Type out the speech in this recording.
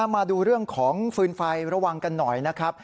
มาดูเรื่องของฟืนไฟระวังกันหน่อยนะครับ